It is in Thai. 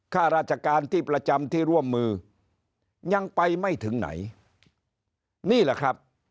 ข้าราชการที่ประจำที่ร่วมมือยังไปไม่ถึงไหนนี่แหละครับ